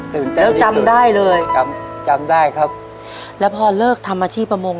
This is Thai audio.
ตื่นเต้นที่สุดแล้วจำได้เลยจำได้ครับแล้วพ่อเลิกทำอาชีพประมง